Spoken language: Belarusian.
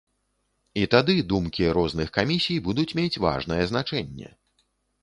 І тады думкі розных камісій будуць мець важнае значэнне.